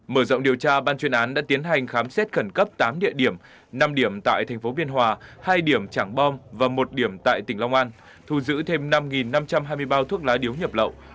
mở rộng điều tra ban chuyên án đã tiến hành khám xét khẩn cấp tám địa điểm năm điểm tại thành phố biên hòa hai điểm trảng bom và một điểm tại tỉnh long an thu giữ thêm năm năm trăm hai mươi bao thuốc lá điếu nhập lậu